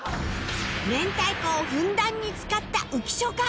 明太子をふんだんに使った浮所か？